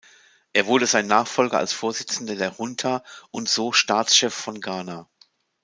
Er wurde sein Nachfolger als Vorsitzender der Junta und so Staatschef von Ghana.